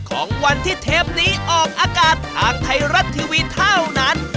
ของวันที่เทปนี้ออกอากาศทางไทยรัฐทีวีเท่านั้น